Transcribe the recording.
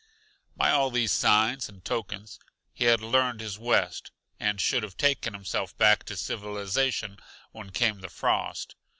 By all these signs and tokens he had learned his West, and should have taken himself back to civilization when came the frost.